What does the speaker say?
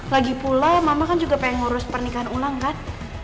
lagipula mama kan juga pengen ngurus pernikahan ulang kan